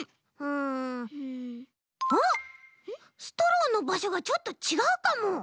あっストローのばしょがちょっとちがうかも。